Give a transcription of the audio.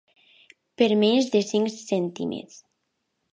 Per menys de cinc cèntims.